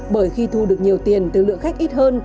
bởi khi thu được nhiều tiền từ lượng khách ít hơn